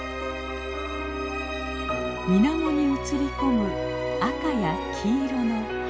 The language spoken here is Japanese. みなもに映り込む赤や黄色の葉。